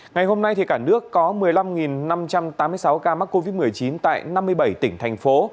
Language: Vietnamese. ngày hôm nay cả nước có một mươi năm năm trăm tám mươi sáu ca mắc covid một mươi chín tại năm mươi bảy tỉnh thành phố